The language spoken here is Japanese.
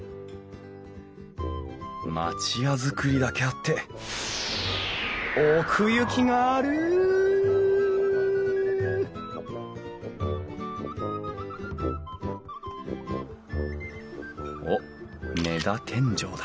町屋造りだけあって奥行きがあるおっ根太天井だ。